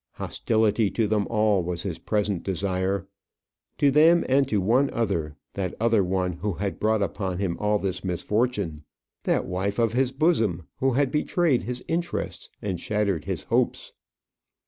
Hostility to them all was his present desire; to them and to one other that other one who had brought upon him all this misfortune; that wife of his bosom, who had betrayed his interests and shattered his hopes.